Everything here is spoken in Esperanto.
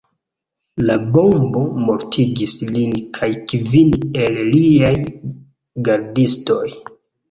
La bombo mortigis lin kaj kvin el liaj gardistoj.